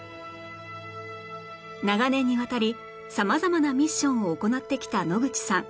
長年にわたり様々なミッションを行ってきた野口さん